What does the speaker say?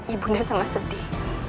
ibunda sangat sedih